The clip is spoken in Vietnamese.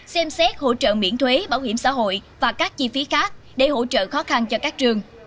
xem xét hỗ trợ miễn thuế bảo hiểm xã hội và các chi phí khác để hỗ trợ khó khăn cho các trường